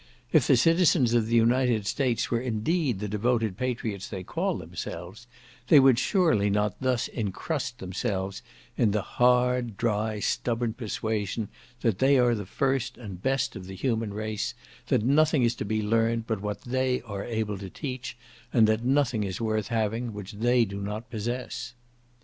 If the citizens of the United States were indeed the devoted patriots they call themselves, they would surely not thus encrust themselves in the hard, dry, stubborn persuasion, that they are the first and best of the human race, that nothing is to be learnt, but what they are able to teach, and that nothing is worth having, which they do not possess.